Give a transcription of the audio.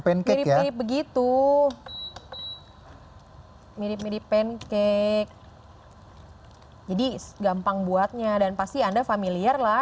pancake ya begitu mirip mirip pancake jadi gampang buatnya dan pasti anda familiar lah